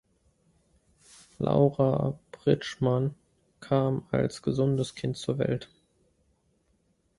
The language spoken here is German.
Laura Bridgman kam als gesundes Kind zur Welt.